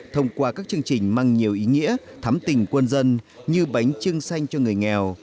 thông qua các chương trình mang nhiều ý nghĩa thắm tình quân dân như bánh trưng xanh cho người nghèo